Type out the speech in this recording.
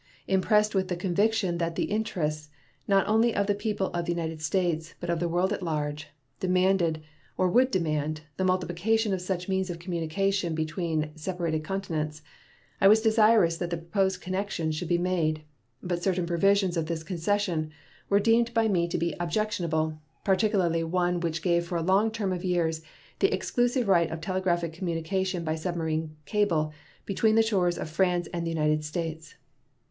Impressed with the conviction that the interests, not only of the people of the United States, but of the world at large, demanded, or would demand, the multiplication of such means of communication between separated continents, I was desirous that the proposed connection should be made; but certain provisions of this concession were deemed by me to be objectionable, particularly one which gave for a long term of years the exclusive right of telegraphic communication by submarine cable between the shores of France and the United States.